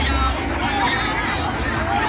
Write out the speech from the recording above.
มาแล้วครับพี่น้อง